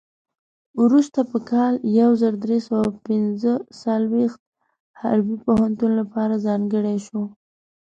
وروسته په کال یو زر درې سوه پنځه څلوېښت حربي پوهنتون لپاره ځانګړی شو.